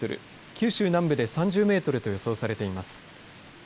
九州南部で３０メートルと予想されています。